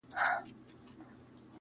• کله وخت کله ناوخته مي وهلی -